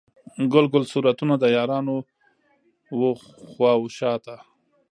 ګل ګل صورتونه، د یارانو و خواو شاته